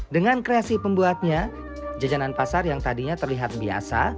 dengan kreasi pembuatnya jajanan pasar yang tadinya terlihat biasa